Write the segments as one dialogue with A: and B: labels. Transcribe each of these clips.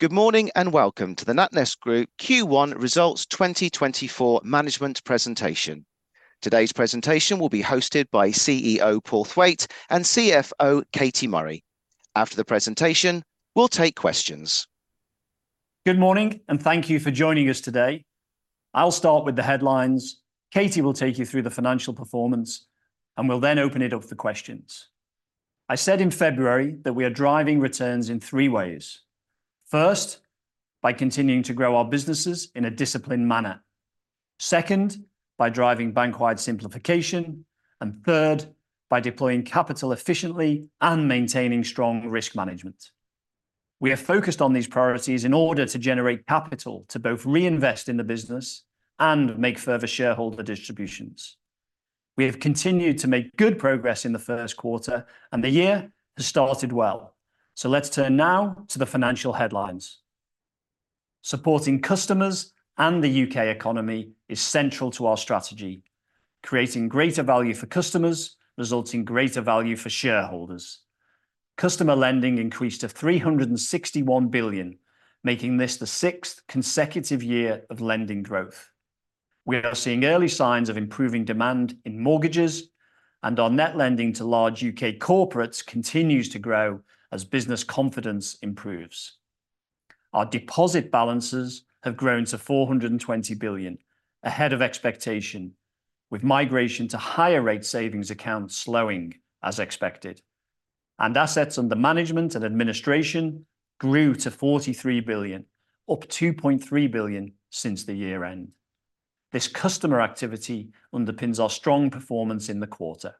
A: Good morning and welcome to the NatWest Group Q1 Results 2024 Management presentation. Today's presentation will be hosted by CEO Paul Thwaite and CFO Katie Murray. After the presentation, we'll take questions.
B: Good morning, and thank you for joining us today. I'll start with the headlines. Katie will take you through the financial performance, and we'll then open it up for questions. I said in February that we are driving returns in three ways. First, by continuing to grow our businesses in a disciplined manner. Second, by driving bank-wide simplification. And third, by deploying capital efficiently and maintaining strong risk management. We have focused on these priorities in order to generate capital to both reinvest in the business and make further shareholder distributions. We have continued to make good progress in the Q1, and the year has started well. So let's turn now to the financial headlines. Supporting customers and the U.K. economy is central to our strategy. Creating greater value for customers, resulting in greater value for shareholders. Customer lending increased to 361 billion, making this the 6th consecutive year of lending growth. We are seeing early signs of improving demand in mortgages, and our net lending to large U.K. corporates continues to grow as business confidence improves. Our deposit balances have grown to 420 billion ahead of expectation, with migration to higher rate savings accounts slowing as expected. Assets under management and administration grew to 43 billion, up 2.3 billion since the year-end. This customer activity underpins our strong performance in the quarter.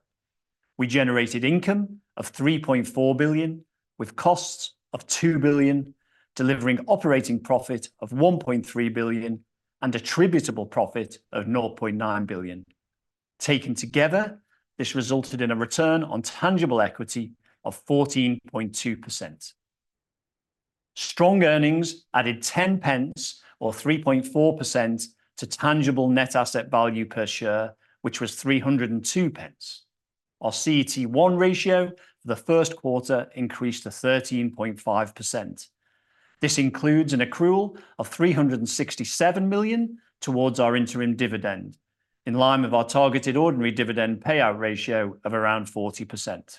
B: We generated income of 3.4 billion, with costs of 2 billion, delivering operating profit of 1.3 billion, and attributable profit of 0.9 billion. Taken together, this resulted in a return on tangible equity of 14.2%. Strong earnings added 0.10, or 3.4%, to tangible net asset value per share, which was 3.02. Our CET1 ratio for the Q1 increased to 13.5%. This includes an accrual of 367 million towards our interim dividend in line with our targeted ordinary dividend payout ratio of around 40%.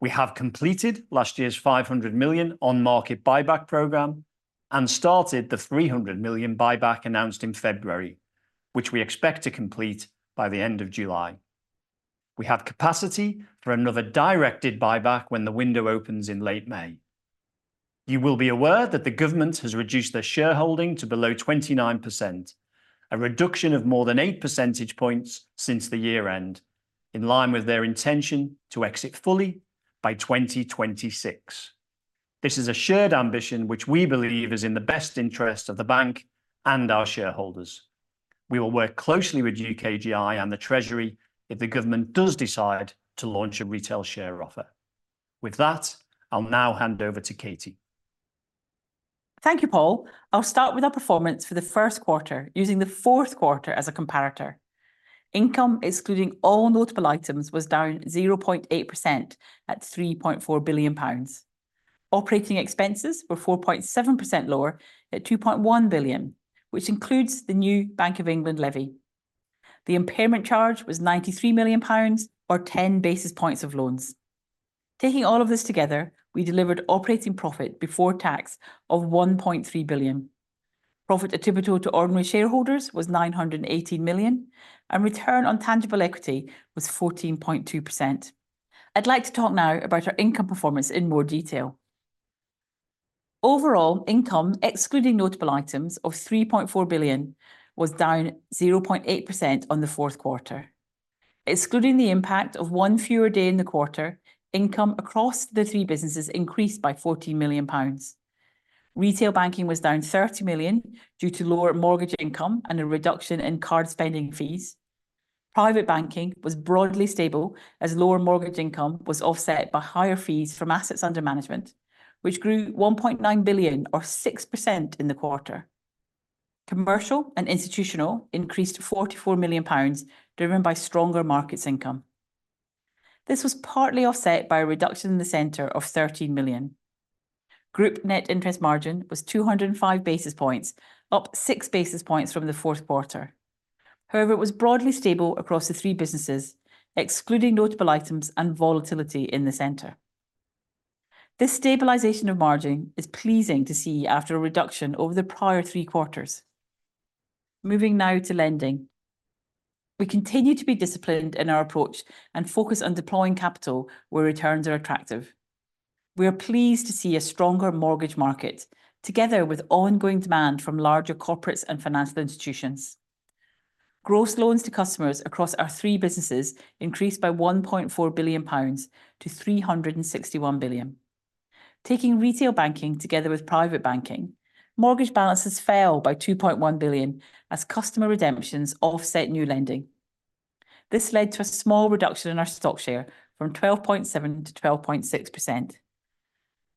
B: We have completed last year's 500 million on-market buyback program and started the 300 million buyback announced in February, which we expect to complete by the end of July. We have capacity for another directed buyback when the window opens in late May. You will be aware that the government has reduced their shareholding to below 29%, a reduction of more than eight percentage points since the year-end, in line with their intention to exit fully by 2026. This is a shared ambition which we believe is in the best interest of the bank and our shareholders. We will work closely with UKGI and the Treasury if the government does decide to launch a retail share offer. With that, I'll now hand over to Katie.
C: Thank you, Paul. I'll start with our performance for the Q1, using the Q4 as a comparator. Income, excluding all notable items, was down 0.8% at 3.4 billion pounds. Operating expenses were 4.7% lower at 2.1 billion, which includes the new Bank of England levy. The impairment charge was 93 million pounds, or 10 basis points of loans. Taking all of this together, we delivered operating profit before tax of 1.3 billion. Profit attributable to ordinary shareholders was 918 million, and return on tangible equity was 14.2%. I'd like to talk now about our income performance in more detail. Overall income, excluding notable items, of 3.4 billion was down 0.8% on the Q4. Excluding the impact of one fewer day in the quarter, income across the three businesses increased by 14 million pounds. Retail banking was down 30 million due to lower mortgage income and a reduction in card spending fees. Private banking was broadly stable, as lower mortgage income was offset by higher fees from assets under management, which grew 1.9 billion, or 6%, in the quarter. Commercial and institutional increased to 44 million pounds, driven by stronger markets income. This was partly offset by a reduction in the center of 13 million. Group net interest margin was 205 basis points, up 6 basis points from the Q4. However, it was broadly stable across the three businesses, excluding notable items and volatility in the center. This stabilization of margin is pleasing to see after a reduction over the prior three quarters. Moving now to lending. We continue to be disciplined in our approach and focus on deploying capital where returns are attractive. We are pleased to see a stronger mortgage market, together with ongoing demand from larger corporates and financial institutions. Gross loans to customers across our three businesses increased by 1.4 billion pounds to 361 billion. Taking retail banking together with private banking, mortgage balances fell by 2.1 billion, as customer redemptions offset new lending. This led to a small reduction in our market share from 12.7% to 12.6%.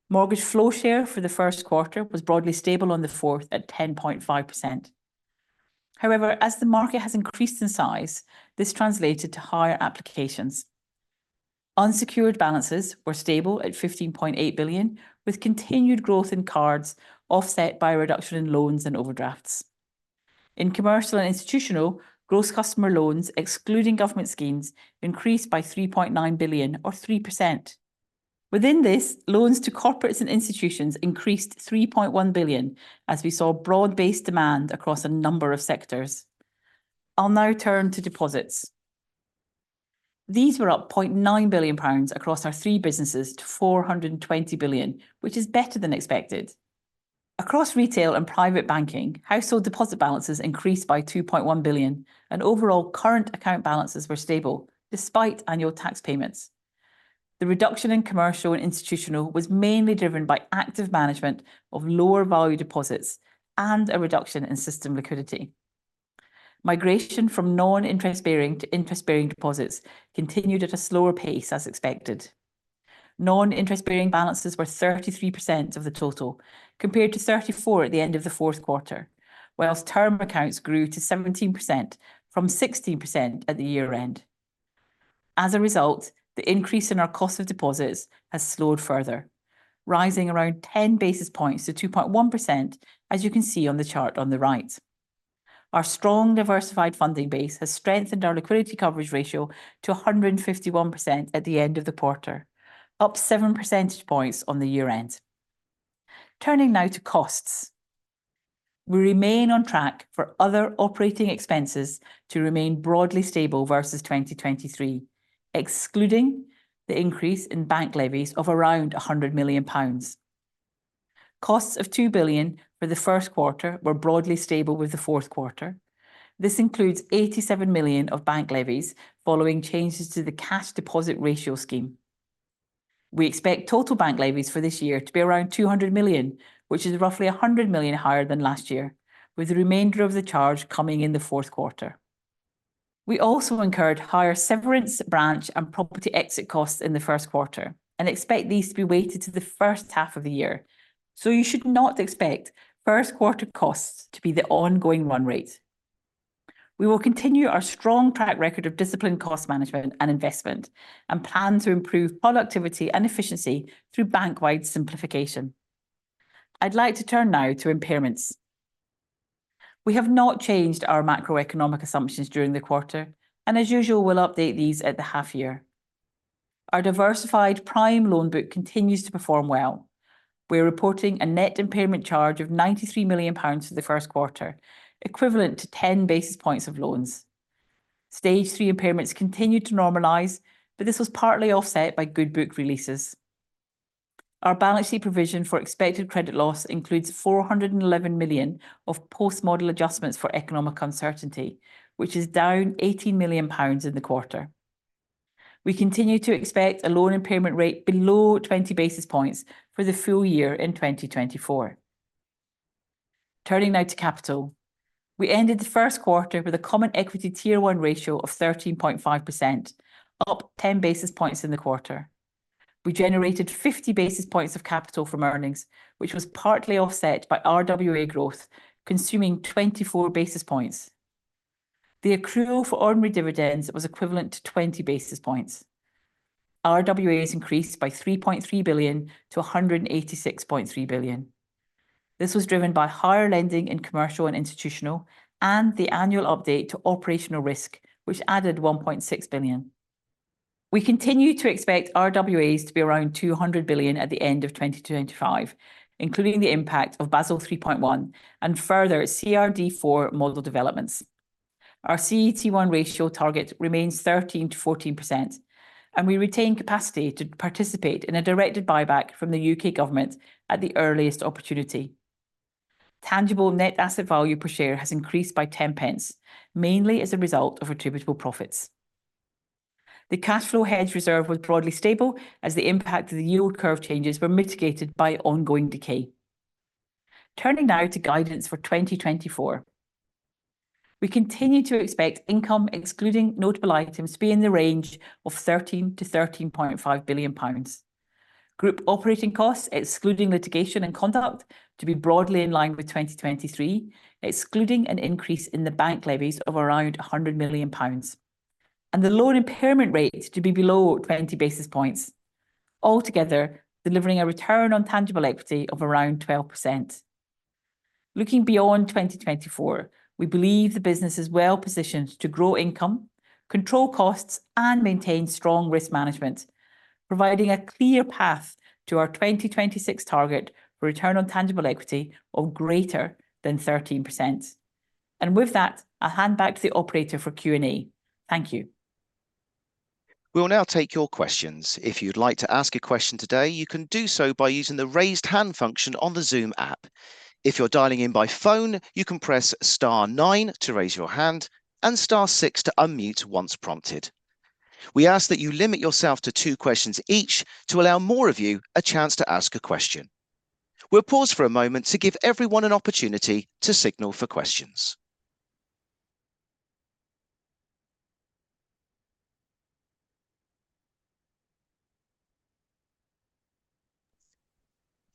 C: Mortgage flow share for the Q1 was broadly stable on the fourth at 10.5%. However, as the market has increased in size, this translated to higher applications. Unsecured balances were stable at 15.8 billion, with continued growth in cards offset by a reduction in loans and overdrafts. In commercial and institutional gross customer loans, excluding government schemes, increased by 3.9 billion, or 3%. Within this, loans to corporates and institutions increased 3.1 billion, as we saw broad-based demand across a number of sectors. I'll now turn to deposits. These were up 0.9 billion pounds across our three businesses to 420 billion, which is better than expected. Across retail and private banking, household deposit balances increased by 2.1 billion, and overall current account balances were stable, despite annual tax payments. The reduction in commercial and institutional was mainly driven by active management of lower value deposits and a reduction in system liquidity. Migration from non-interest bearing to interest bearing deposits continued at a slower pace, as expected. Non-interest bearing balances were 33% of the total, compared to 34% at the end of the Q4, while term accounts grew to 17% from 16% at the year-end. As a result, the increase in our cost of deposits has slowed further, rising around 10 basis points to 2.1%, as you can see on the chart on the right. Our strong diversified funding base has strengthened our liquidity coverage ratio to 151% at the end of the quarter, up seven percentage points on the year-end. Turning now to costs. We remain on track for other operating expenses to remain broadly stable versus 2023, excluding the increase in bank levies of around 100 million pounds. Costs of 2 billion for the Q1 were broadly stable with the Q4. This includes 87 million of bank levies following changes to the Cash Deposit Ratio Scheme. We expect total bank levies for this year to be around 200 million, which is roughly 100 million higher than last year, with the remainder of the charge coming in the Q4. We also incurred higher severance branch and property exit costs in the Q1 and expect these to be weighted to the first half of the year. So you should not expect Q1 costs to be the ongoing run rate. We will continue our strong track record of disciplined cost management and investment, and plan to improve productivity and efficiency through bank-wide simplification. I'd like to turn now to impairments. We have not changed our macroeconomic assumptions during the quarter, and, as usual, we'll update these at the half-year. Our diversified prime loan book continues to perform well. We're reporting a net impairment charge of 93 million pounds for the Q1, equivalent to 10 basis points of loans. Stage three impairments continued to normalize, but this was partly offset by good book releases. Our balance sheet provision for expected credit loss includes 411 million of post-model adjustments for economic uncertainty, which is down 18 million pounds in the quarter. We continue to expect a loan impairment rate below 20 basis points for the full year in 2024. Turning now to capital. We ended the Q1 with a Common Equity Tier 1 ratio of 13.5%, up 10 basis points in the quarter. We generated 50 basis points of capital from earnings, which was partly offset by RWA growth, consuming 24 basis points. The accrual for ordinary dividends was equivalent to 20 basis points. RWAs increased by 3.3 billion to 186.3 billion. This was driven by higher lending in commercial and institutional, and the annual update to operational risk, which added 1.6 billion. We continue to expect RWAs to be around 200 billion at the end of 2025, including the impact of Basel 3.1 and further CRD IV model developments. Our CET1 ratio target remains 13%-14%, and we retain capacity to participate in a directed buyback from the U.K. government at the earliest opportunity. Tangible net asset value per share has increased by 0.10, mainly as a result of attributable profits. The cash flow hedge reserve was broadly stable, as the impact of the yield curve changes was mitigated by ongoing decay. Turning now to guidance for 2024. We continue to expect income, excluding notable items, to be in the range of 13 billion-13.5 billion pounds. Group operating costs, excluding litigation and conduct, to be broadly in line with 2023, excluding an increase in the bank levies of around 100 million pounds. The loan impairment rate to be below 20 basis points. Altogether, delivering a Return on Tangible Equity of around 12%. Looking beyond 2024, we believe the business is well positioned to grow income, control costs, and maintain strong risk management, providing a clear path to our 2026 target for Return on Tangible Equity of greater than 13%. And with that, I'll hand back to the operator for Q&A. Thank you.
A: We'll now take your questions. If you'd like to ask a question today, you can do so by using the raised hand function on the Zoom app. If you're dialing in by phone, you can press star nine to raise your hand and star six to unmute once prompted. We ask that you limit yourself to two questions each to allow more of you a chance to ask a question. We'll pause for a moment to give everyone an opportunity to signal for questions.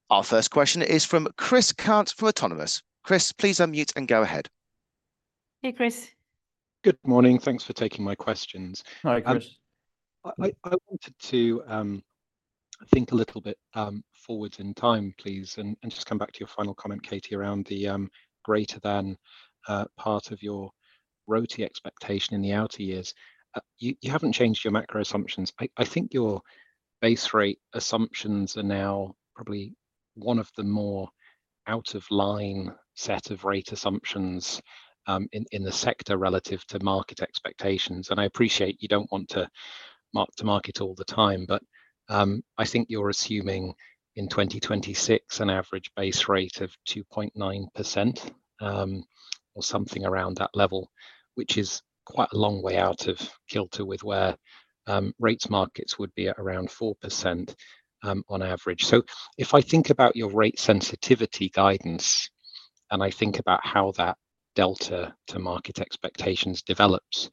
A: Our first question is from Chris Cant from Autonomous. Chris, please unmute and go ahead.
C: Hey, Chris.
D: Good morning. Thanks for taking my questions.
B: Hi, Chris.
D: I wanted to think a little bit forward in time, please, and just come back to your final comment, Katie, around the greater than part of your ROTE expectation in the outer years. You haven't changed your macro assumptions. I think your base rate assumptions are now probably one of the more out-of-line set of rate assumptions in the sector relative to market expectations. And I appreciate you don't want to mark to market all the time, but I think you're assuming in 2026 an average base rate of 2.9% or something around that level, which is quite a long way out of kilter with where rates markets would be at around 4% on average. So if I think about your rate sensitivity guidance, and I think about how that delta to market expectations develops,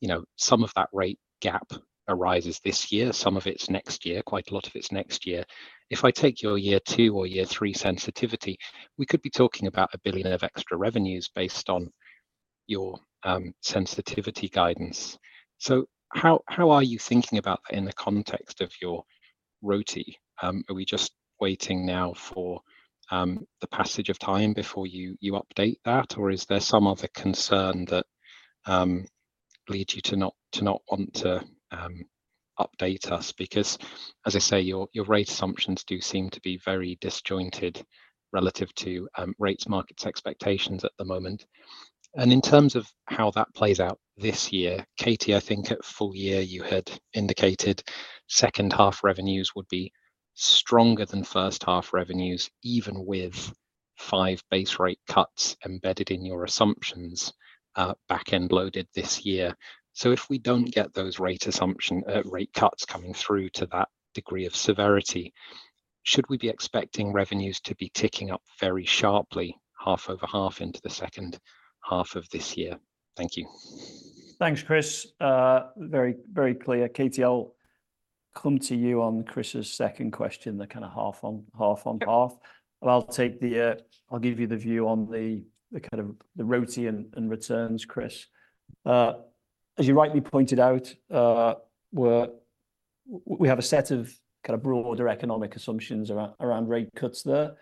D: you know, some of that rate gap arises this year, some of it's next year, quite a lot of it's next year. If I take your year two or year three sensitivity, we could be talking about 1 billion of extra revenues based on your sensitivity guidance. So how are you thinking about that in the context of your ROTE? Are we just waiting now for the passage of time before you update that, or is there some other concern that leads you to not want to update us? Because, as I say, your rate assumptions do seem to be very disjointed relative to rates market's expectations at the moment. And in terms of how that plays out this year, Katie, I think at full year you had indicated second half revenues would be stronger than first half revenues, even with five base rate cuts embedded in your assumptions back end loaded this year. So if we don't get those rate assumption rate cuts coming through to that degree of severity, should we be expecting revenues to be ticking up very sharply, half over half into the second half of this year? Thank you.
B: Thanks, Chris. Very, very clear. Katie, I'll come to you on Chris's second question, the kind of half on half on half. I'll give you the view on the kind of the RoTE and returns, Chris. As you rightly pointed out, we have a set of kind of broader economic assumptions around rate cuts there.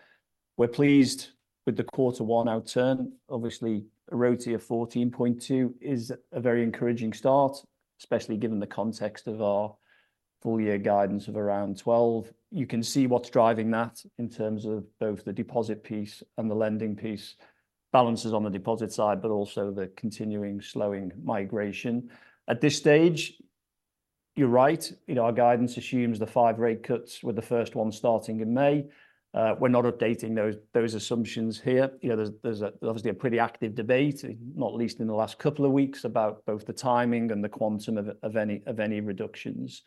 B: We're pleased with the quarter one outturn. Obviously, a RoTE of 14.2 is a very encouraging start, especially given the context of our full year guidance of around 12. You can see what's driving that in terms of both the deposit piece and the lending piece balances on the deposit side, but also the continuing slowing migration at this stage. You're right. You know, our guidance assumes the five rate cuts with the first one starting in May. We're not updating those assumptions here. You know, there's obviously a pretty active debate, not least in the last couple of weeks, about both the timing and the quantum of any reductions.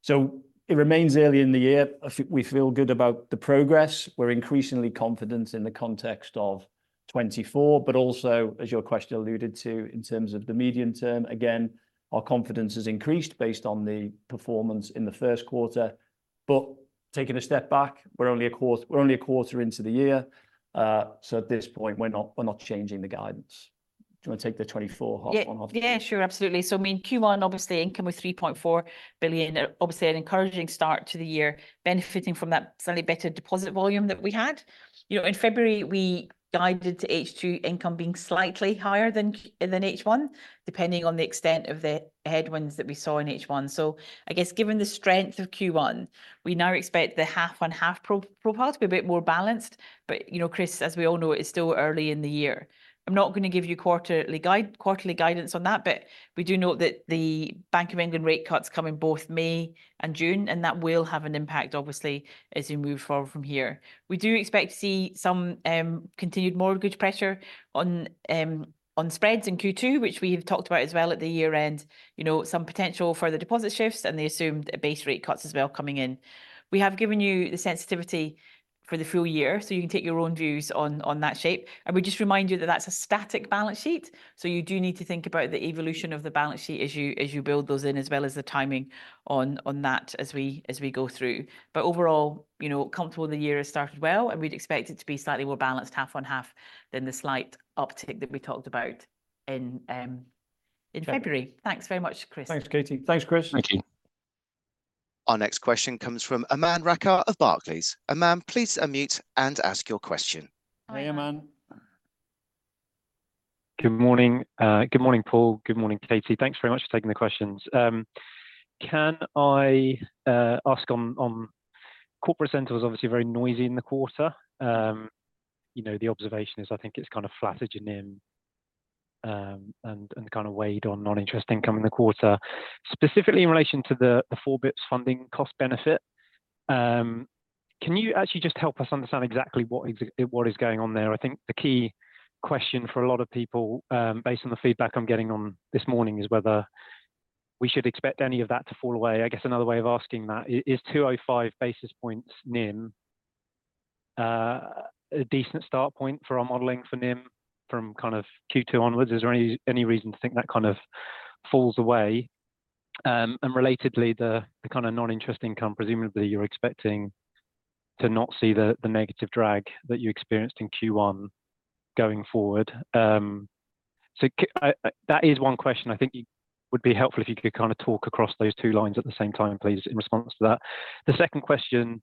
B: So it remains early in the year. I think we feel good about the progress, we're increasingly confident in the context of 2024, but also, as your question alluded to, in terms of the medium term, again, our confidence has increased based on the performance in the Q1. But taking a step back, we're only a quarter into the year. So at this point, we're not changing the guidance. Do you want to take the 2024 half on half?
C: Yeah, sure. Absolutely. So I mean, Q1, obviously, income with 3.4 billion, obviously an encouraging start to the year, benefiting from that slightly better deposit volume that we had. You know, in February, we guided to H2 income being slightly higher than H1, depending on the extent of the headwinds that we saw in H1. So I guess, given the strength of Q1, we now expect the half on half profile to be a bit more balanced. But you know, Chris, as we all know, it's still early in the year. I'm not going to give you quarterly guidance on that. But we do note that the Bank of England rate cuts come in both May and June, and that will have an impact, obviously, as we move forward from here. We do expect to see some continued mortgage pressure on spreads in Q2, which we have talked about as well at the year-end, you know, some potential for the deposit shifts, and they assumed a base rate cuts as well coming in. We have given you the sensitivity for the full year, so you can take your own views on that shape. And we just remind you that that's a static balance sheet. So you do need to think about the evolution of the balance sheet as you build those in, as well as the timing on that as we go through. But overall, you know, comfortable. The year has started well, and we'd expect it to be slightly more balanced, half on half, than the slight uptick that we talked about in February. Thanks very much, Chris.
E: Thanks, Katie.
B: Thanks, Chris.
E: Thank you.
A: Our next question comes from Aman Rakkar of Barclays. Aman, please unmute and ask your question.
B: Hi, Aman.
D: Good morning. Good morning, Paul. Good morning, Katie. Thanks very much for taking the questions. Can I ask on corporate center, which was obviously very noisy in the quarter. You know, the observation is, I think it's kind of flattered your NIM. And kind of weighed on non-interest income in the quarter, specifically in relation to the 4 basis points funding cost benefit. Can you actually just help us understand exactly what is going on there? I think the key question for a lot of people, based on the feedback I'm getting this morning, is whether we should expect any of that to fall away. I guess another way of asking that is, is 205 basis points NIM a decent start point for our modeling for NIM from kind of Q2 onwards. Is there any reason to think that kind of falls away? And relatedly, the kind of non-interest income, presumably you're expecting to not see the negative drag that you experienced in Q1 going forward. So that is one question. I think you would be helpful if you could kind of talk across those two lines at the same time, please, in response to that. The second question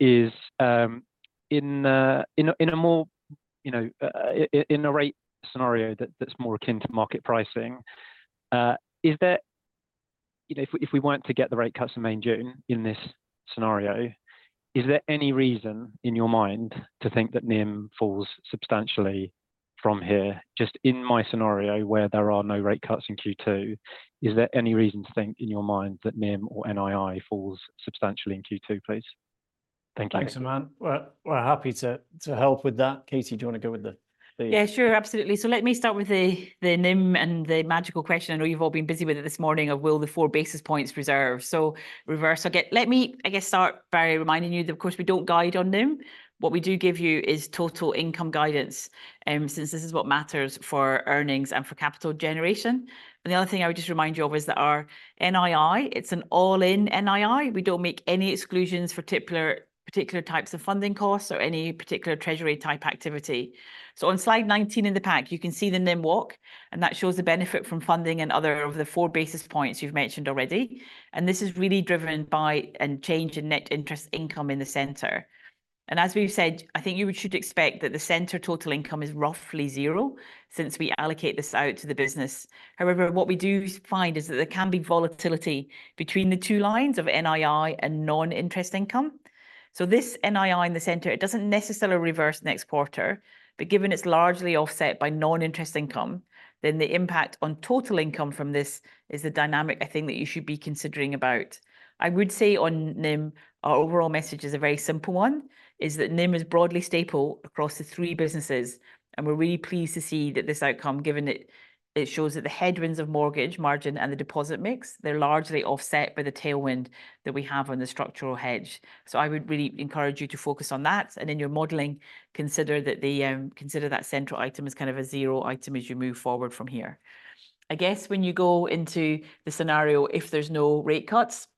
D: is in a more, you know, in a rate scenario that's more akin to market pricing. Is there? You know, if we weren't to get the rate cuts in May and June in this scenario. Is there any reason in your mind to think that NIM falls substantially from here? Just in my scenario, where there are no rate cuts in Q2. Is there any reason to think in your mind that NIM or NII falls substantially in Q2, please? Thank you.
B: Thanks, Aman. We're happy to help with that. Katie, do you want to go with the-?
C: Yeah, sure. Absolutely. So let me start with the NIM and the magical question. I know you've all been busy with it this morning of will the 4 basis points preserve? Let me, I guess, start by reminding you that, of course, we don't guide on NIM. What we do give you is total income guidance, since this is what matters for earnings and for capital generation. And the other thing I would just remind you of is that our NII, it's an all-in NII. We don't make any exclusions for particular types of funding costs or any particular treasury type activity. So on slide 19 in the pack, you can see the NIM walk, and that shows the benefit from funding and other of the 4 basis points you've mentioned already. And this is really driven by a change in net interest income in the center. And as we've said, I think you should expect that the center total income is roughly zero, since we allocate this out to the business. However, what we do find is that there can be volatility between the two lines of NII and non-interest income. So this NII in the center, it doesn't necessarily reverse next quarter. But given it's largely offset by non-interest income, then the impact on total income from this is the dynamic, I think, that you should be considering about. I would say on NIM, our overall message is a very simple one, is that NIM is broadly stable across the three businesses. And we're really pleased to see that this outcome, given it. It shows that the headwinds of mortgage margin and the deposit mix, they're largely offset by the tailwind that we have on the structural hedge. So I would really encourage you to focus on that. And in your modeling, consider that the central item as kind of a zero item as you move forward from here. I guess when you go into the scenario, if there's no rate cuts.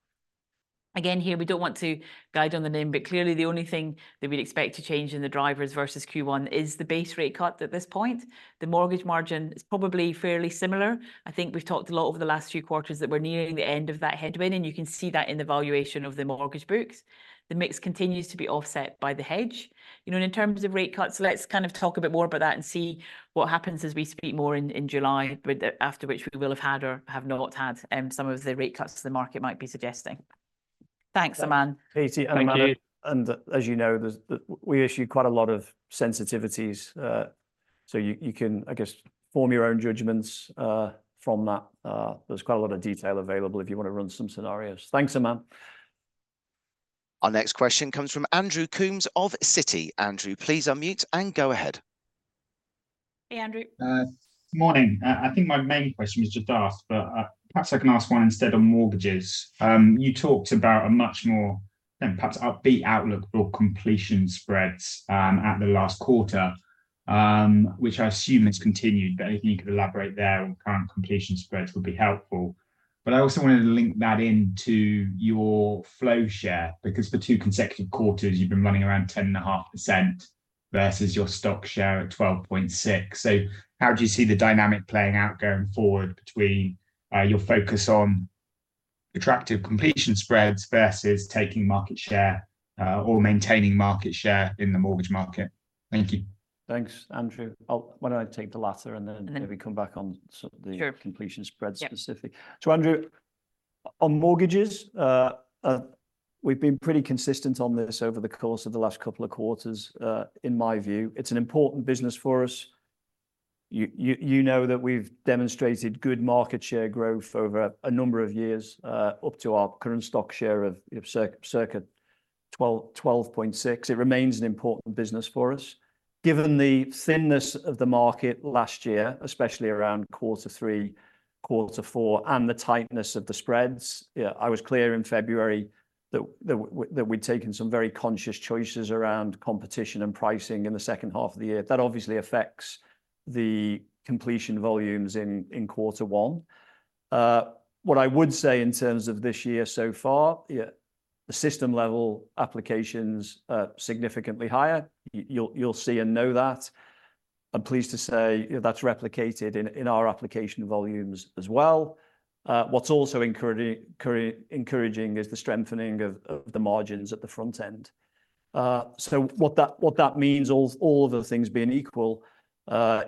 C: Again, here, we don't want to guide on the NIM, but clearly the only thing that we'd expect to change in the drivers versus Q1 is the base rate cut at this point. The mortgage margin is probably fairly similar. I think we've talked a lot over the last few quarters that we're nearing the end of that headwind, and you can see that in the valuation of the mortgage books. The mix continues to be offset by the hedge, you know, and in terms of rate cuts. Let's kind of talk a bit more about that and see what happens as we speak more in July, after which we will have had or have not had some of the rate cuts the market might be suggesting. Thanks, Aman.
B: Katie and Aman.
F: Thank you.
B: As you know, there we issue quite a lot of sensitivities. So you can, I guess, form your own judgments from that. There's quite a lot of detail available if you want to run some scenarios. Thanks, Aman.
A: Our next question comes from Andrew Coombs of Citi. Andrew, please unmute and go ahead.
C: Hey, Andrew.
D: Good morning. I think my main question was just asked, but perhaps I can ask one instead on mortgages. You talked about a much more, perhaps upbeat outlook for completion spreads at the last quarter. Which I assume has continued, but I think you could elaborate there on current completion spreads would be helpful. But I also wanted to link that into your flow share, because for 2 consecutive quarters you've been running around 10.5% versus your stock share at 12.6%. So how do you see the dynamic playing out going forward between your focus on attractive completion spreads versus taking market share or maintaining market share in the mortgage market? Thank you.
B: Thanks, Andrew. I'll why don't I take the latter, and then maybe come back on the completion spread specifically. So, Andrew on mortgages. We've been pretty consistent on this over the course of the last couple of quarters. In my view, it's an important business for us. You know that we've demonstrated good market share growth over a number of years up to our current market share of circa 12.6. It remains an important business for us. Given the thinness of the market last year, especially around quarter 3, quarter 4, and the tightness of the spreads. Yeah, I was clear in February that we'd taken some very conscious choices around competition and pricing in the second half of the year. That obviously affects the completion volumes in quarter one. What I would say in terms of this year so far. Yeah. The system level applications significantly higher. You'll see and know that. I'm pleased to say that's replicated in our application volumes as well. What's also encouraging is the strengthening of the margins at the front end. So what that means, all of the things being equal,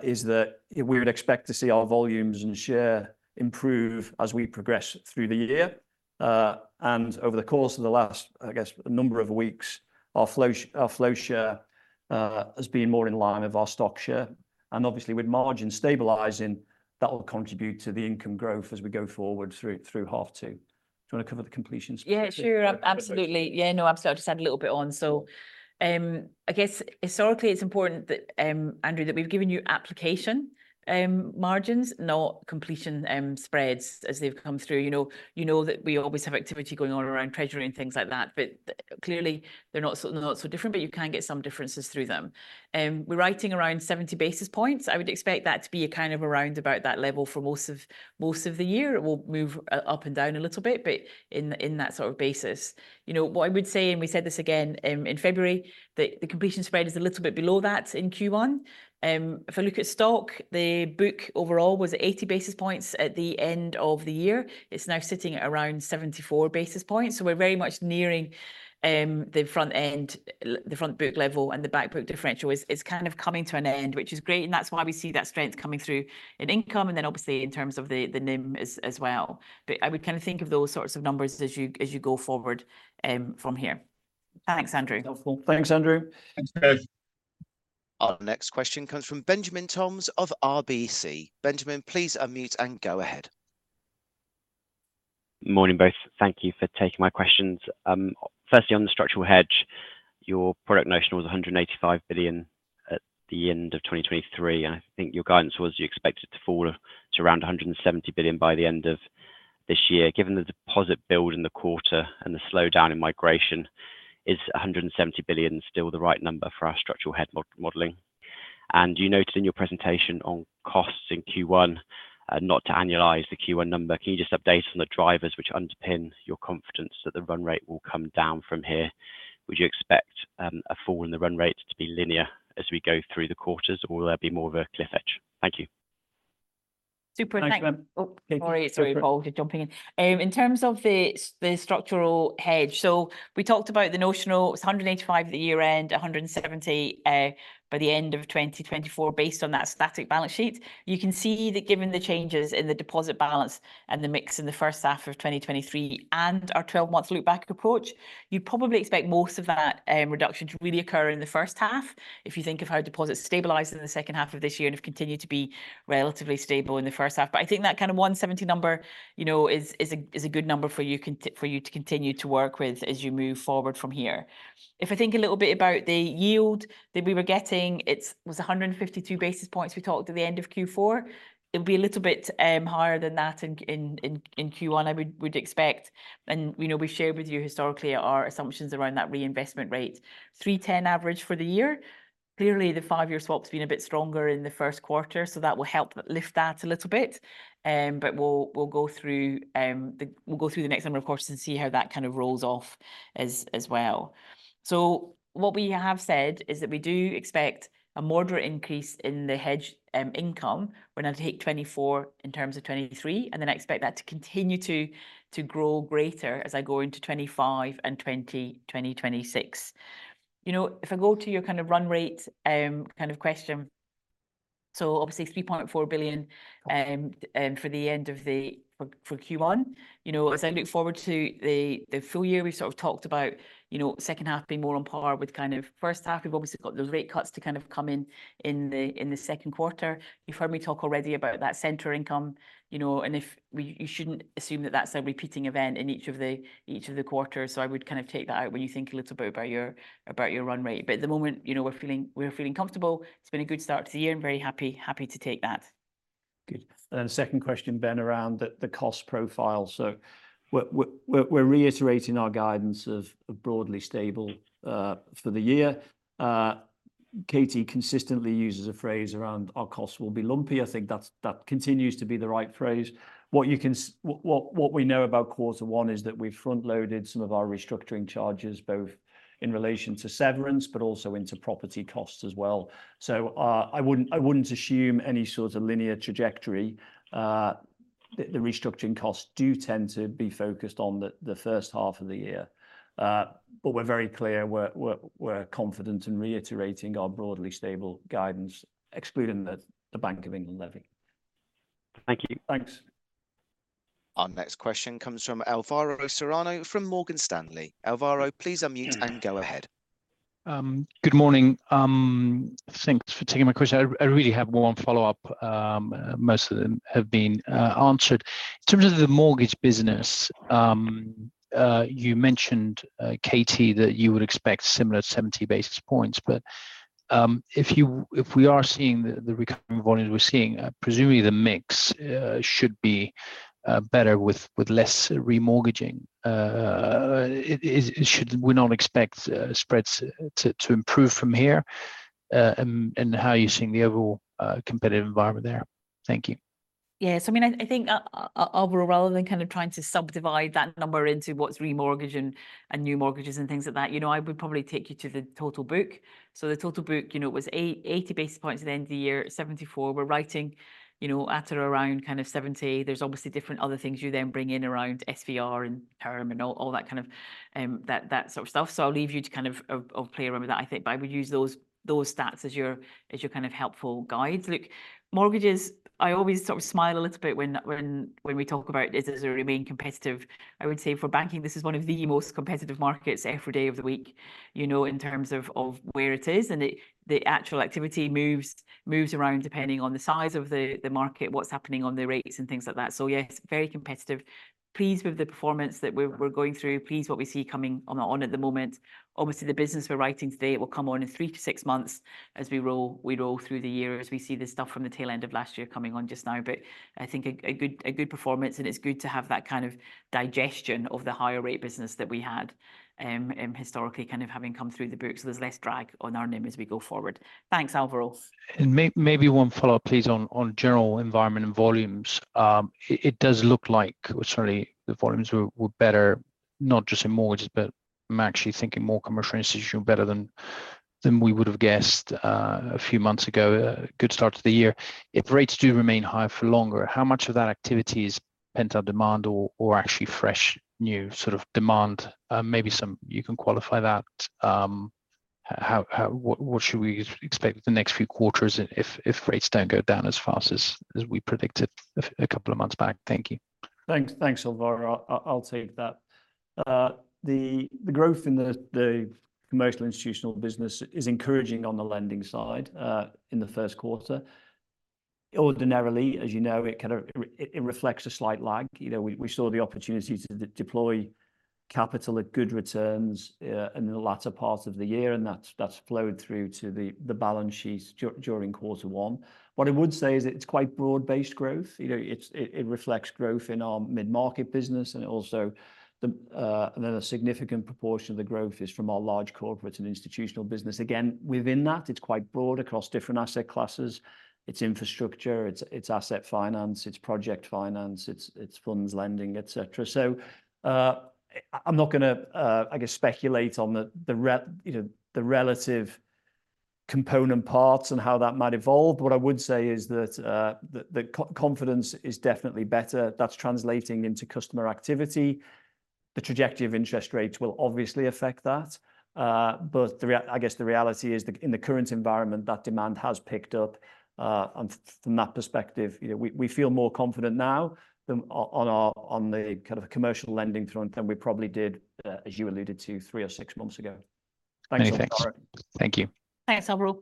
B: is that we would expect to see our volumes and share improve as we progress through the year. And over the course of the last, I guess, a number of weeks, our flow share has been more in line with our stock share. And obviously, with margin stabilizing, that will contribute to the income growth as we go forward through half two. Do you want to cover the completion?
C: Yeah, sure. Absolutely. Yeah. No, absolutely. I'll just add a little bit on. So I guess historically it's important that, Andrew, that we've given you application margins, not completion spreads as they've come through. You know, you know that we always have activity going on around treasury and things like that, but clearly they're not not so different. But you can get some differences through them. We're writing around 70 basis points. I would expect that to be a kind of around about that level for most of most of the year. It will move up and down a little bit, but in in that sort of basis, you know what I would say, and we said this again in February, that the completion spread is a little bit below that in Q1. If I look at stock, the book overall was at 80 basis points at the end of the year. It's now sitting at around 74 basis points. So we're very much nearing the front end, the front book level, and the back book differential is kind of coming to an end, which is great. And that's why we see that strength coming through in income. And then, obviously, in terms of the NIM as well. But I would kind of think of those sorts of numbers as you go forward from here. Thanks, Andrew.
D: Helpful.
B: Thanks, Andrew.
D: Thanks, Chris.
A: Our next question comes from Benjamin Toms of RBC. Benjamin, please unmute and go ahead.
D: Morning, both. Thank you for taking my questions. Firstly, on the structural hedge. Your portfolio notional was 185 billion at the end of 2023, and I think your guidance was you expected it to fall to around 170 billion by the end of this year. Given the deposit build in the quarter and the slowdown in migration, is 170 billion still the right number for our structural hedge modeling? And you noted in your presentation on costs in Q1 not to annualize the Q1 number. Can you just update us on the drivers which underpin your confidence that the run rate will come down from here? Would you expect a fall in the run rate to be linear as we go through the quarters, or will there be more of a cliff edge? Thank you.
C: Super. Thanks.
B: Thanks, Aman.
C: Oh, Katie. Sorry, Paul -You're jumping in in terms of the structural hedge. So we talked about the notional. It's 185 at the year end, 170 by the end of 2024, based on that static balance sheet. You can see that, given the changes in the deposit balance and the mix in the first half of 2023, and our 12 month loopback approach. You probably expect most of that reduction to really occur in the first half. If you think of how deposits stabilized in the second half of this year, and have continued to be relatively stable in the first half. But I think that kind of 170 number, you know, is a good number for you to continue to work with as you move forward from here. If I think a little bit about the yield that we were getting, it was 152 basis points. We talked at the end of Q4. It would be a little bit higher than that in Q1, I would expect. And you know, we've shared with you historically our assumptions around that reinvestment rate. 310 average for the year. Clearly, the five year swap's been a bit stronger in the Q1, so that will help lift that a little bit. But we'll go through the next number of quarters and see how that kind of rolls off as well. So what we have said is that we do expect a moderate increase in the hedge income when I take 2024 in terms of 2023, and then I expect that to continue to grow greater as I go into 2025 and 2026. You know, if I go to your kind of run rate kind of question. So obviously, 3.4 billion for the end of Q1, you know, as I look forward to the full year, we've sort of talked about, you know, second half being more on par with kind of first half. We've obviously got those rate cuts to kind of come in in the Q2. You've heard me talk already about that center income, you know, and you shouldn't assume that that's a repeating event in each of the quarters. I would kind of take that out when you think a little bit about your run rate. But at the moment, you know, we're feeling comfortable. It's been a good start to the year, and very happy to take that.
B: Good. And then second question, Ben, around the cost profile. So we're reiterating our guidance of broadly stable for the year. Katie consistently uses a phrase around our costs will be lumpy. I think that continues to be the right phrase. What we know about quarter one is that we've frontloaded some of our restructuring charges, both in relation to severance, but also into property costs as well. So I wouldn't assume any sort of linear trajectory. The restructuring costs do tend to be focused on the first half of the year. But we're very clear. We're confident and reiterating our broadly stable guidance, excluding the Bank of England levy.
G: Thank you.
B: Thanks.
A: Our next question comes from Alvaro Serrano from Morgan Stanley. Alvaro, please unmute and go ahead.
D: Good morning. Thanks for taking my question. I really have more on follow up. Most of them have been answered. In terms of the mortgage business. You mentioned, Katie, that you would expect similar 70 basis points. But if we are seeing the recurring volumes we're seeing, presumably the mix should be better with less remortgaging. Should we not expect spreads to improve from here? And how are you seeing the overall competitive environment there? Thank you.
C: Yeah. So I mean, I think overall, rather than kind of trying to subdivide that number into what's remortgage and new mortgages and things like that, you know, I would probably take you to the total book. So the total book, you know, it was 880 basis points at the end of the year, 74. We're writing, you know, at or around kind of 70. There's obviously different other things you then bring in around SVR and term and all that kind of that sort of stuff. So I'll leave you to kind of play around with that, I think. But I would use those stats as your kind of helpful guides. Look, mortgages, I always sort of smile a little bit when we talk about it as a remaining competitive. I would say for banking, this is one of the most competitive markets every day of the week, you know, in terms of where it is, and the actual activity moves around depending on the size of the market, what's happening on the rates, and things like that. So yes, very competitive. Pleased with the performance that we're going through. Pleased with what we see coming on at the moment. Obviously, the business we're writing today, it will come on in 3-6 months as we roll through the year, as we see this stuff from the tail end of last year coming on just now. But I think a good performance, and it's good to have that kind of digestion of the higher rate business that we had. And historically, kind of having come through the book. So there's less drag on our NIM as we go forward. Thanks, Alvaro.
H: Maybe one follow up, please, on general environment and volumes. It does look like it's certainly the volumes were better, not just in mortgages, but I'm actually thinking more commercial institutional better than we would have guessed a few months ago. Good start to the year. If rates do remain higher for longer, how much of that activity is pent up demand or actually fresh new sort of demand? Maybe some you can qualify that. How what should we expect the next few quarters if rates don't go down as fast as we predicted a couple of months back? Thank you.
B: Thanks. Thanks, Alvaro. I'll take that. The growth in the commercial institutional business is encouraging on the lending side in the Q1. Ordinarily, as you know, it kind of reflects a slight lag. You know, we saw the opportunity to deploy capital at good returns in the latter part of the year, and that's flowed through to the balance sheet during quarter one. What I would say is it's quite broad based growth. You know, it reflects growth in our mid market business, and then a significant proportion of the growth is from our large corporates and institutional business. Again, within that, it's quite broad across different asset classes. It's infrastructure. It's asset finance. It's project finance. It's funds lending, etc. So I'm not gonna, I guess, speculate on the, you know, the relative component parts and how that might evolve. What I would say is that confidence is definitely better. That's translating into customer activity. The trajectory of interest rates will obviously affect that. But I guess the reality is that in the current environment, that demand has picked up. And from that perspective, you know, we feel more confident now than on the kind of commercial lending front than we probably did, as you alluded to, 3 or 6 months ago. Thanks, Alvaro.
H: Thank you.
C: Thanks, Alvaro.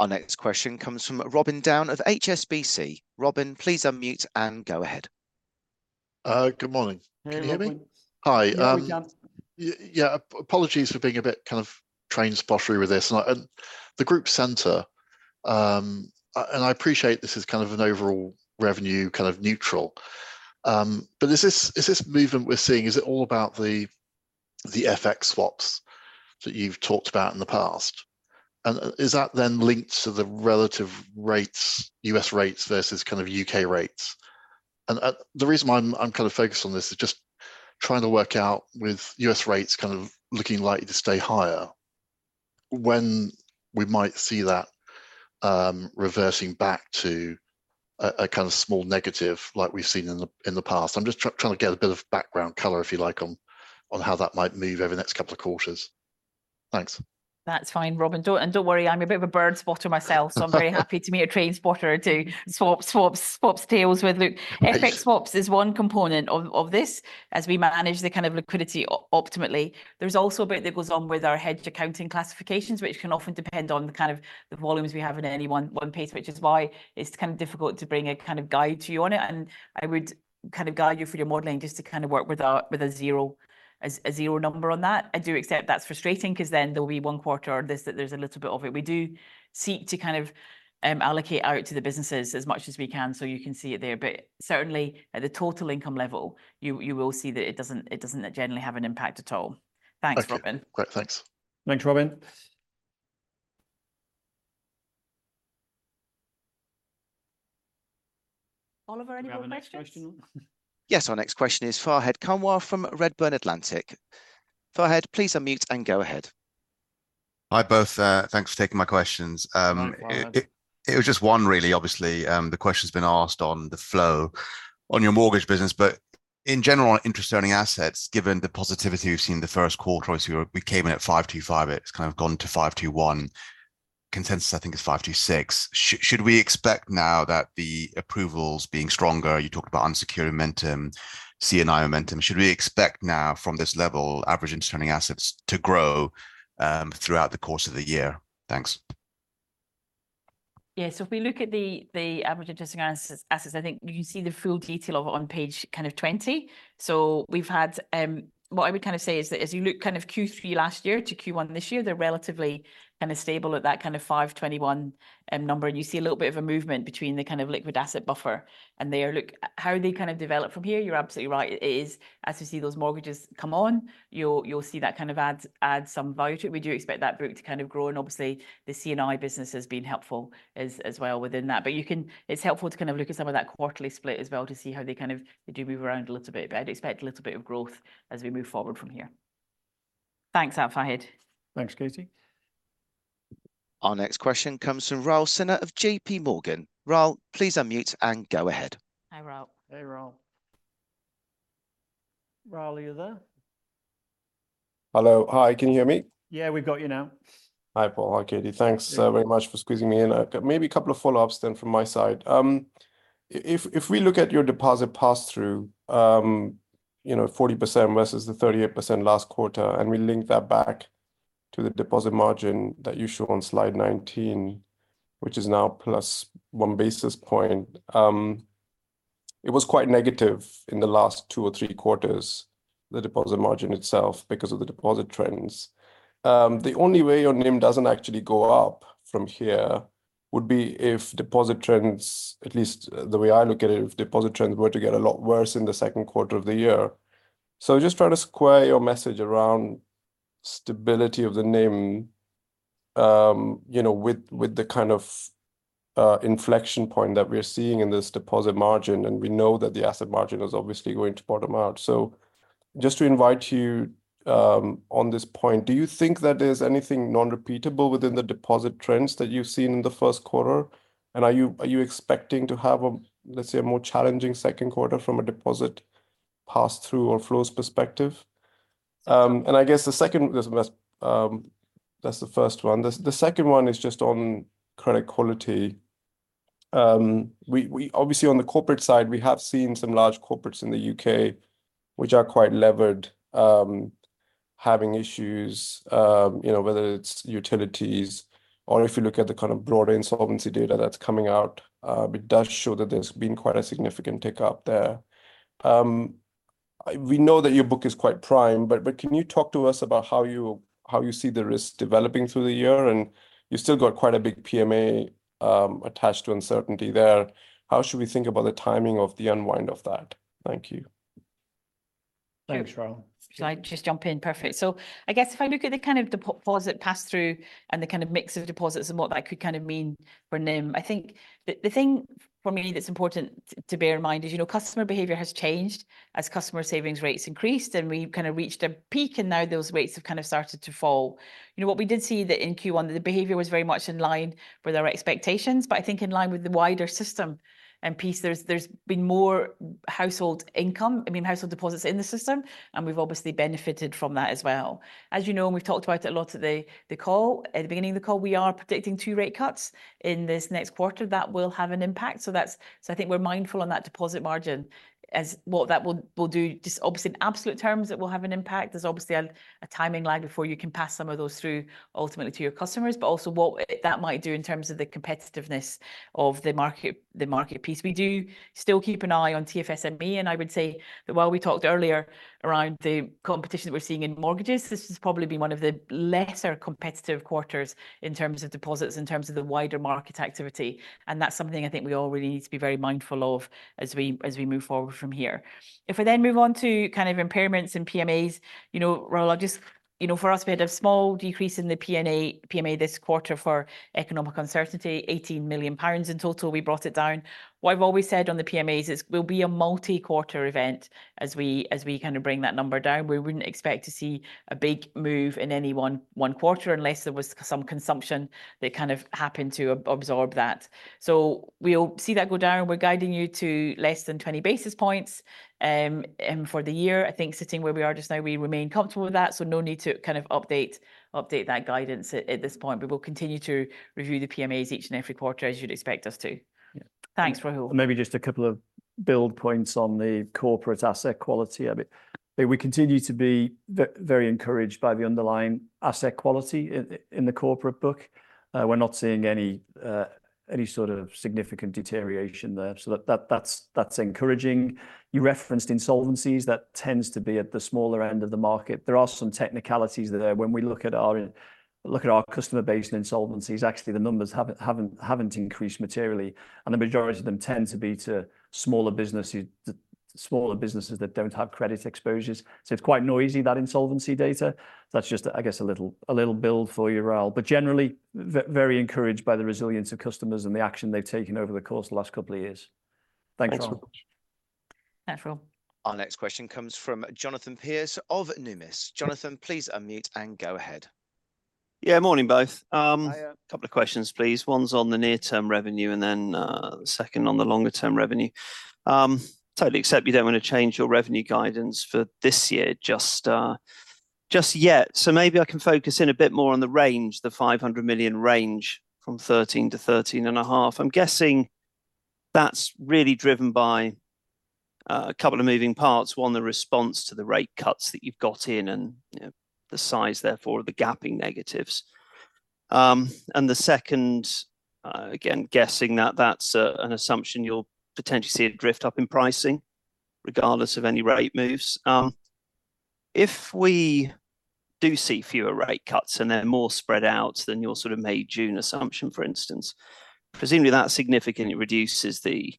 A: Our next question comes from Robin Down of HSBC. Robin, please unmute and go ahead.
I: Good morning. Can you hear me? Hi. Yeah, apologies for being a bit kind of train spottery with this. And the group center. And I appreciate this is kind of an overall revenue kind of neutral. But is this movement we're seeing? Is it all about the FX swaps that you've talked about in the past? And is that then linked to the relative rates, U.S. rates versus kind of U.K. rates? And the reason I'm kind of focused on this is just trying to work out with U.S. rates kind of looking likely to stay higher when we might see that reversing back to a kind of small negative like we've seen in the past. I'm just trying to get a bit of background color, if you like, on how that might move over the next couple of quarters. Thanks.
C: That's fine, Robin. Don't worry. I'm a bit of a bird spotter myself. So I'm very happy to meet a train spotter to swap swap tales with. Look, FX swaps is one component of this. As we manage the kind of liquidity optimally. There's also a bit that goes on with our hedge accounting classifications, which can often depend on the kind of the volumes we have in any one piece, which is why it's kind of difficult to bring a kind of guide to you on it. And I would kind of guide you for your modeling just to kind of work with a zero as a zero number on that. I do accept that's frustrating, because then there'll be one quarter or this that there's a little bit of it. We do seek to kind of allocate out to the businesses as much as we can. So you can see it there. But certainly, at the total income level, you will see that it doesn't. It doesn't generally have an impact at all. Thanks, Robin.
I: Great. Thanks.
B: Thanks, Robin.
C: Oliver, any more questions?
A: Yes. Our next question is Fahed Kunwar from Redburn Atlantic. Fahed, please unmute and go ahead.
J: Hi both. Thanks for taking my questions. It was just one, really. Obviously, the question's been asked on the flow on your mortgage business. But in general, on interest earning assets, given the positivity we've seen the Q1, we came in at 525. It's kind of gone to 521. Consensus, I think, is 526. Should we expect now that the approvals being stronger? You talked about unsecured momentum, C&I momentum. Should we expect now from this level, average interest earning assets to grow throughout the course of the year? Thanks.
C: Yeah. So if we look at the average interest-earning assets, I think you can see the full detail of it on page 20. So we've had what I would kind of say is that as you look kind of Q3 last year to Q1 this year, they're relatively kind of stable at that kind of 521 number. And you see a little bit of a movement between the kind of liquid asset buffer and there. Look, how they kind of develop from here, you're absolutely right. It is, as we see those mortgages come on, you'll see that kind of add some value to it. We do expect that group to kind of grow. And obviously, the CNI business has been helpful as well within that. But you can. It's helpful to kind of look at some of that quarterly split as well to see how they kind of do move around a little bit. But I'd expect a little bit of growth as we move forward from here. Thanks, Fahed.
J: Thanks, Katie.
A: Our next question comes from Raul Sinha of JPMorgan. Raul, please unmute and go ahead.
C: Hi, Raul.
B: Hey, Raul. Raul, are you there?
K: Hello. Hi. Can you hear me?
B: Yeah, we've got you now.
K: Hi, Paul. Hi, Katie. Thanks very much for squeezing me in. Maybe a couple of follow ups then from my side. If we look at your deposit pass through, you know, 40% versus the 38% last quarter, and we link that back to the deposit margin that you show on slide 19. Which is now +1 basis point. It was quite negative in the last two or three quarters. The deposit margin itself, because of the deposit trends. The only way your NIM doesn't actually go up from here would be if deposit trends, at least the way I look at it, if deposit trends were to get a lot worse in the Q2 of the year. So just try to square your message around stability of the NIM. You know, with the kind of inflection point that we're seeing in this deposit margin, and we know that the asset margin is obviously going to bottom out. So just to invite you on this point, do you think that there's anything non-repeatable within the deposit trends that you've seen in the Q1? And are you expecting to have a, let's say, a more challenging Q2 from a deposit pass through or flows perspective? And I guess the second, that's the first one. The second one is just on credit quality. We obviously on the corporate side, we have seen some large corporates in the U.K. Which are quite levered. Having issues, you know, whether it's utilities. Or if you look at the kind of broader insolvency data that's coming out. It does show that there's been quite a significant tick up there. We know that your book is quite prime, but can you talk to us about how you see the risk developing through the year? And you still got quite a big PMA attached to uncertainty there. How should we think about the timing of the unwind of that? Thank you.
B: Thanks, Raul.
C: Can I just jump in? Perfect. So I guess if I look at the kind of deposit pass through and the kind of mix of deposits and what that could kind of mean for NIM. I think the thing for me that's important to bear in mind is, you know, customer behavior has changed as customer savings rates increased, and we've kind of reached a peak. And now those rates have kind of started to fall. You know, what we did see that in Q1, that the behavior was very much in line with our expectations. But I think in line with the wider system. And piece, there's been more household income, I mean, household deposits in the system. And we've obviously benefited from that as well. As you know, and we've talked about it a lot at the call at the beginning of the call, we are predicting two rate cuts in this next quarter that will have an impact. So that's I think we're mindful on that deposit margin. As what that will do, just obviously in absolute terms that will have an impact. There's obviously a timing lag before you can pass some of those through ultimately to your customers. But also what that might do in terms of the competitiveness of the market. The market piece. We do still keep an eye on TFSME. And I would say that while we talked earlier around the competition that we're seeing in mortgages, this has probably been one of the lesser competitive quarters in terms of deposits, in terms of the wider market activity. That's something I think we all really need to be very mindful of as we move forward from here. If we then move on to kind of impairments and PMAs, you know, Raul, I'll just, you know, for us, we had a small decrease in the PMA this quarter for economic uncertainty, 18 million pounds in total. We brought it down. What I've always said on the PMAs is, we'll be a multi-quarter event as we kind of bring that number down. We wouldn't expect to see a big move in any one quarter, unless there was some consumption that kind of happened to absorb that. So we'll see that go down. We're guiding you to less than 20 basis points. And for the year, I think, sitting where we are just now, we remain comfortable with that. So no need to kind of update that guidance at this point. But we'll continue to review the PMAs each and every quarter, as you'd expect us to. Thanks, Raul.
B: Maybe just a couple of build points on the corporate asset quality. I mean, we continue to be very encouraged by the underlying asset quality in the corporate book. We're not seeing any sort of significant deterioration there. So that's encouraging. You referenced insolvencies. That tends to be at the smaller end of the market. There are some technicalities there when we look at our customer based insolvencies. Actually, the numbers haven't increased materially. And the majority of them tend to be smaller businesses. Smaller businesses that don't have credit exposures. So it's quite noisy, that insolvency data. That's just, I guess, a little build for you, Raul. But generally, very encouraged by the resilience of customers and the action they've taken over the course of the last couple of years. Thanks, Raul.
C: Thanks, Raul.
A: Our next question comes from Jonathan Pierce of Numis. Jonathan, please unmute and go ahead.
L: Yeah, morning, both. Couple of questions, please. One's on the near-term revenue, and then the second on the longer-term revenue. Totally accept you don't want to change your revenue guidance for this year, just yet. So maybe I can focus in a bit more on the range, the 500 million range from 13-13.5. I'm guessing. That's really driven by a couple of moving parts. One, the response to the rate cuts that you've got in, and you know the size, therefore, of the gapping negatives. And the second, again, guessing that that's an assumption you'll potentially see a drift up in pricing regardless of any rate moves. If we do see fewer rate cuts, and they're more spread out than your sort of May, June assumption, for instance. Presumably that significantly reduces the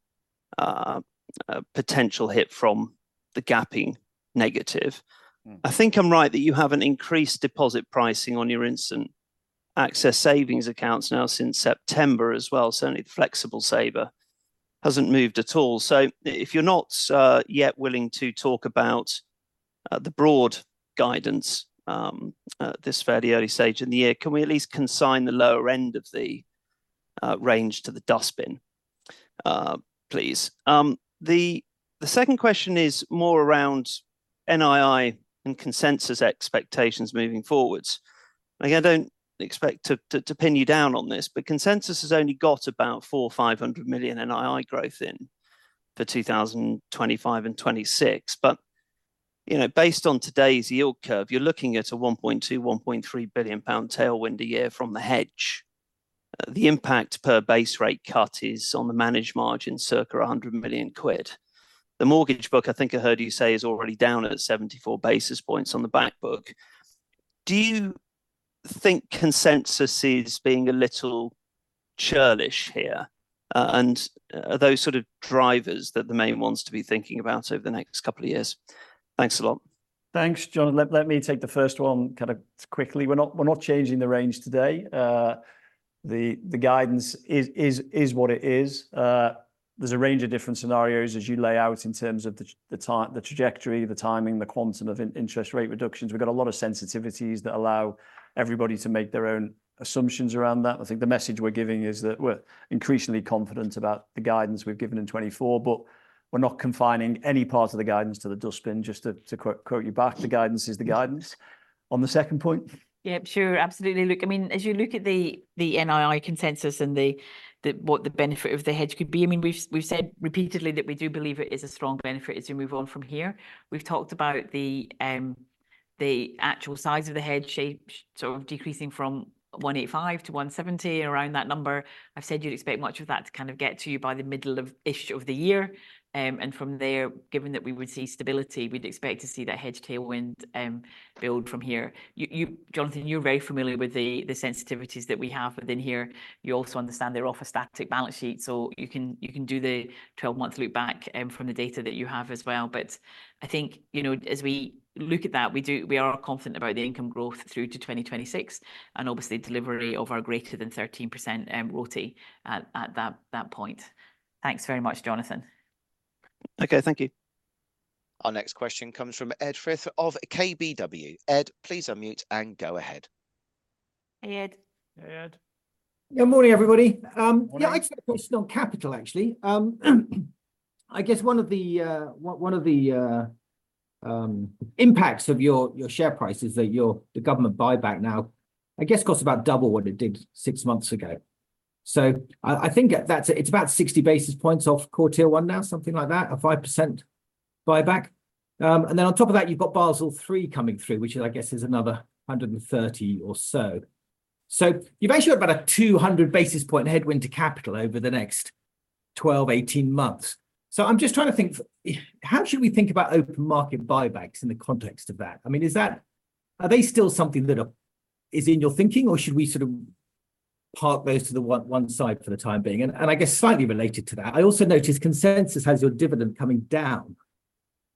L: potential hit from the gapping negative. I think I'm right that you have an increased deposit pricing on your instant access savings accounts now since September as well. Certainly the flexible saver hasn't moved at all. So if you're not yet willing to talk about the broad guidance this fairly early stage in the year, can we at least consign the lower end of the range to the dustbin? Please. The second question is more around NII and consensus expectations moving forward. I don't expect to pin you down on this, but consensus has only got about 4,500 million NII growth in 2025 and 2026. But you know, based on today's yield curve, you're looking at a 1.2 billion-1.3 billion pound tailwind a year from the hedge. The impact per base rate cut is on the managed margin, circa 100 million quid. The mortgage book, I think I heard you say, is already down at 74 basis points on the backbook. Do you think consensus is being a little churlish here? And are those sort of drivers that the main ones to be thinking about over the next couple of years? Thanks a lot.
B: Thanks, Jon. Let me take the first one kind of quickly. We're not changing the range today. The guidance is what it is. There's a range of different scenarios as you lay out in terms of the time, the trajectory, the timing, the quantum of interest rate reductions. We've got a lot of sensitivities that allow everybody to make their own assumptions around that. I think the message we're giving is that we're increasingly confident about the guidance we've given in 2024, but. We're not confining any part of the guidance to the dustbin, just to quote you back. The guidance is the guidance. On the second point.
C: Yeah, sure. Absolutely. Look, I mean, as you look at the NII consensus and the what the benefit of the hedge could be. I mean, we've said repeatedly that we do believe it is a strong benefit as we move on from here. We've talked about the actual size of the hedge shape, sort of decreasing from 185 to 170, around that number. I've said you'd expect much of that to kind of get to you by the middle of ish of the year. And from there, given that we would see stability, we'd expect to see that hedge tailwind build from here. You, Jonathan, you're very familiar with the sensitivities that we have within here. You also understand they're off a static balance sheet, so you can do the 12-month loop back from the data that you have as well. I think, you know, as we look at that, we do. We are confident about the income growth through to 2026. Obviously delivery of our greater than 13% ROTE at that point. Thanks very much, Jonathan.
L: Okay, thank you.
A: Our next question comes from Ed Firth of KBW. Ed, please unmute and go ahead.
C: Hey, Ed.
B: Hey, Ed.
M: Yeah, morning, everybody. Yeah, I just had a question on capital, actually. I guess one of the impacts of your share price is that the government buyback now costs about double what it did 6 months ago. So I think that's about 60 basis points off quarter one now, something like that, a 5% buyback. And then on top of that, you've got Basel III coming through, which is, I guess, another 130 or so. So you've actually got about a 200 basis point headwind to capital over the next 12-18 months. So I'm just trying to think, how should we think about open market buybacks in the context of that? I mean, are they still something that is in your thinking, or should we sort of. Park those to one side for the time being, and I guess slightly related to that. I also noticed consensus has your dividend coming down.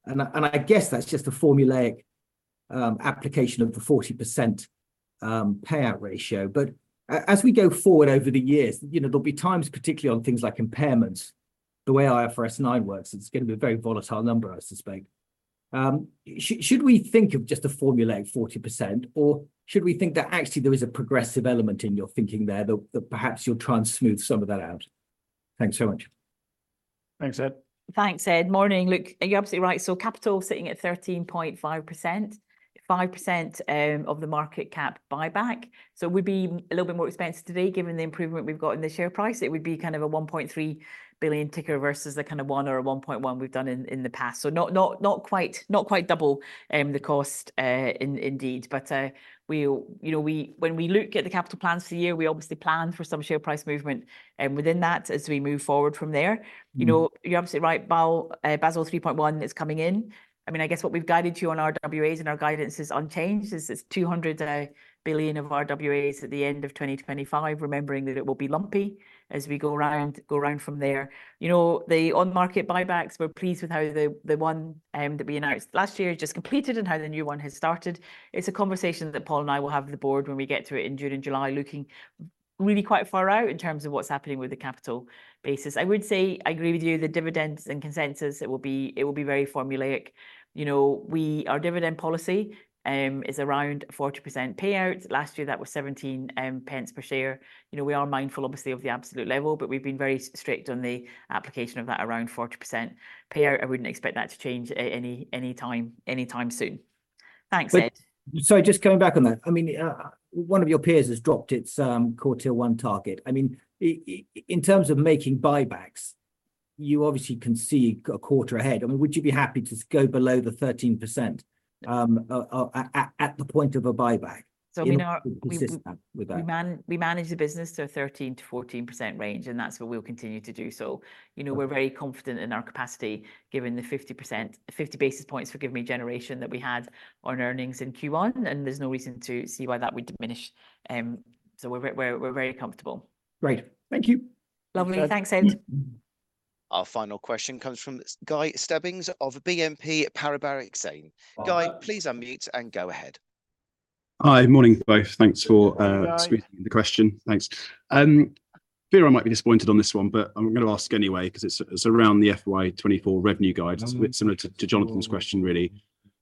M: I guess that's just a formulaic application of the 40% payout ratio. But as we go forward over the years, you know, there'll be times, particularly on things like impairments. The way IFRS 9 works, it's going to be a very volatile number, I suspect. Should we think of just a formulaic 40%, or should we think that actually there is a progressive element in your thinking there that perhaps you'll try and smooth some of that out? Thanks so much.
B: Thanks, Ed.
C: Thanks, Ed. Morning, look, you're absolutely right. So capital sitting at 13.5%. 5% of the market cap buyback. So it would be a little bit more expensive today, given the improvement we've got in the share price. It would be kind of a 1.3 billion versus the kind of 1 or a 1.1 billion we've done in the past. So not quite double the cost indeed. But we, you know, when we look at the capital plans for the year, we obviously plan for some share price movement within that as we move forward from there. You know, you're absolutely right, but Basel 3.1 is coming in. I mean, I guess what we've guided you on RWAs and our guidance is unchanged. It's 200 billion of RWAs at the end of 2025, remembering that it will be lumpy as we go around from there. You know, the on-market buybacks. We're pleased with how the one that we announced last year just completed, and how the new one has started. It's a conversation that Paul and I will have with the Board when we get to it in June and July, looking really quite far out in terms of what's happening with the capital basis. I would say I agree with you. The dividends and consensus. It will be very formulaic. You know, we, our dividend policy is around 40% payout. Last year that was 0.17 per share. You know, we are mindful, obviously, of the absolute level, but we've been very strict on the application of that around 40% payout. I wouldn't expect that to change at any time anytime soon. Thanks, Ed.
M: So just coming back on that. I mean, one of your peers has dropped its quarter one target. I mean, in terms of making buybacks. You obviously can see a quarter ahead. I mean, would you be happy to go below the 13%? At the point of a buyback.
C: So we know we manage the business to a 13%-14% range, and that's what we'll continue to do. So you know, we're very confident in our capacity, given the 50 basis points, forgive me, generation that we had on earnings in Q1, and there's no reason to see why that would diminish. So we're very comfortable.
M: Great. Thank you.
C: Lovely. Thanks, Ed.
A: Our final question comes from Guy Stebbings of BNP Paribas Exane. Guy, please unmute and go ahead.
N: Hi, morning, both. Thanks for squeezing in the question. Thanks. Bear might be disappointed on this one, but I'm going to ask anyway, because it's around the FY 2024 revenue guidance. It's similar to Jonathan's question, really.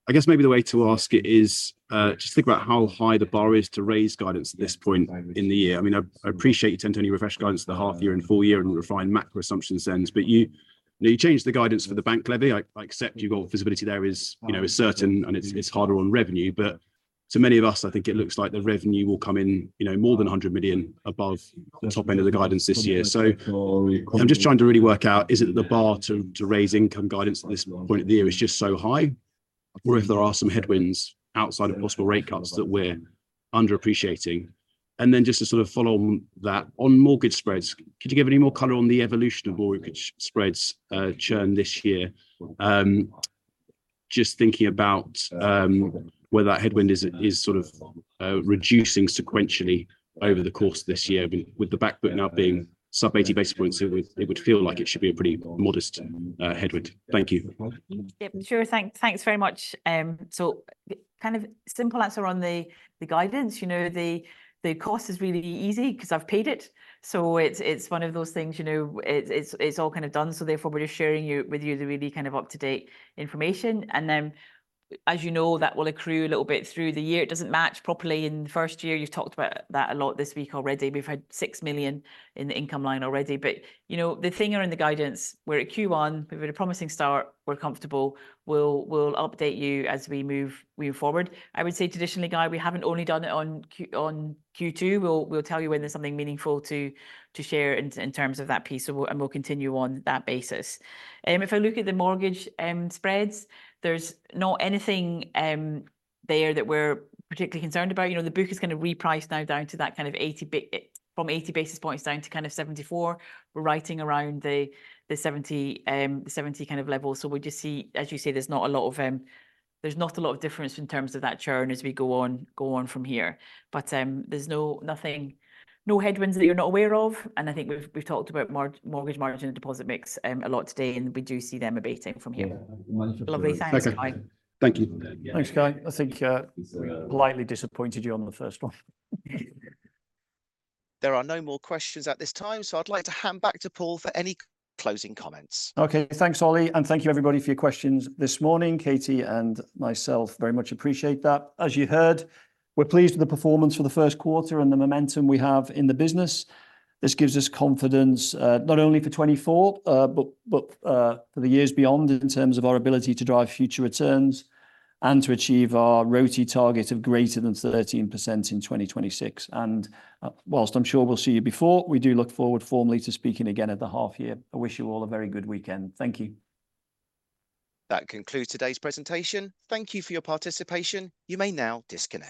N: I guess maybe the way to ask it is. Just think about how high the bar is to raise guidance at this point in the year. I mean, I appreciate you tend to only refresh guidance at the Half Year and Full Year and refine macro assumptions ends, but you know, you changed the guidance for the bank levy. I accept you've got visibility there, you know, is certain, and it's harder on revenue. But to many of us, I think it looks like the revenue will come in, you know, more than 100 million above the top end of the guidance this year. So I'm just trying to really work out, is it the bar to raise income guidance at this point of the year is just so high? Or if there are some headwinds outside of possible rate cuts that we're underappreciating? And then just to sort of follow on that on mortgage spreads. Could you give any more color on the evolution of mortgage spreads churn this year? Just thinking about whether that headwind is sort of reducing sequentially over the course of this year, with the backbook now being sub 80 basis points. It would feel like it should be a pretty modest headwind. Thank you.
C: Yeah, sure. Thanks. Thanks very much. So kind of simple answer on the guidance. You know, the cost is really easy because I've paid it. So it's one of those things, you know, it's all kind of done. So therefore we're just sharing with you the really kind of up to date information. And then. As you know, that will accrue a little bit through the year. It doesn't match properly in the first year. You've talked about that a lot this week already. We've had 6 million in the income line already. But you know, the thing are in the guidance. We're at Q1. We've had a promising start. We're comfortable. We'll update you as we move forward. I would say traditionally, Guy, we haven't only done it on Q2. We'll tell you when there's something meaningful to share in terms of that piece, and we'll continue on that basis. If I look at the mortgage spreads, there's not anything there that we're particularly concerned about. You know, the book is kind of repriced now down to that kind of 80 basis points from 80 basis points down to kind of 74. We're writing around the 70 kind of level. So we just see, as you say, there's not a lot of difference in terms of that churn as we go on from here. But there's nothing. No headwinds that you're not aware of. And I think we've talked about mortgage margin and deposit mix a lot today, and we do see them abating from here.
N: Lovely.
C: Thanks, Guy.
N: Thank you.
B: Thanks, Guy. I think. Politely disappointed you on the first one.
A: There are no more questions at this time, so I'd like to hand back to Paul for any closing comments.
B: Okay, thanks, Oli, and thank you, everybody, for your questions this morning. Katie and myself very much appreciate that. As you heard, we're pleased with the performance for the Q1 and the momentum we have in the business. This gives us confidence not only for 2024, but but for the years beyond in terms of our ability to drive future returns. And to achieve our ROTE target of greater than 13% in 2026. And whilst I'm sure we'll see you before, we do look forward formally to speaking again at the half year. I wish you all a very good weekend. Thank you.
A: That concludes today's presentation. Thank you for your participation. You may now disconnect.